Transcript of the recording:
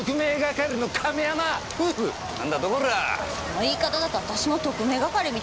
その言い方だと私も特命係みたい。